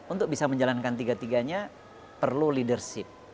untuk bisa menjalankan tiga tiganya perlu leadership